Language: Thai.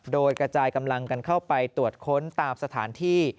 โดยกระจายกำลังกันเข้าไปตรวจค้นตามสถานที่